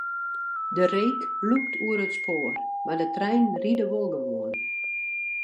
De reek lûkt oer it spoar, mar de treinen ride wol gewoan.